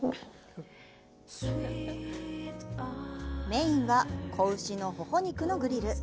メインは仔牛の頬肉のグリル。